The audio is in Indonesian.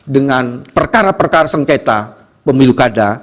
dengan perkara perkara sengketa pemilu kada